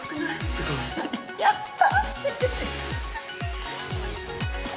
すごい。やった。